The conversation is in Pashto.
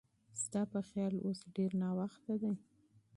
ستا په خیال اوس ډېر ناوخته دی؟